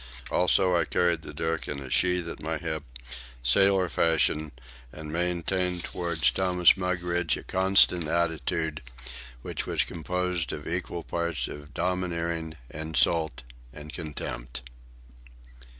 Also I carried the dirk in a sheath at my hip, sailor fashion, and maintained toward Thomas Mugridge a constant attitude which was composed of equal parts of domineering, insult, and contempt.